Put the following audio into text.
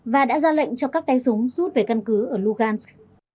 và đã ra lệnh cho các tay súng rút về căn cứ ở lugans